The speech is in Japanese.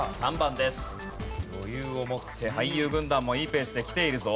余裕を持って俳優軍団もいいペースできているぞ。